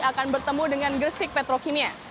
akan bertemu dengan gresik petrokimia